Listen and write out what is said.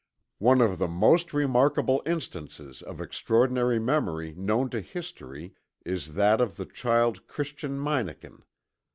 One of the most remarkable instances of extraordinary memory known to history is that of the child Christian Meinecken.